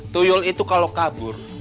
tuyul itu kalau kabur